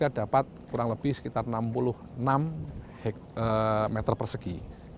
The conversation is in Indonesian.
kita dapat kurang lebih sekitar enam puluh enam meter persegi